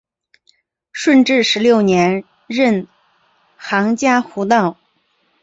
顺治十六年任杭嘉湖道。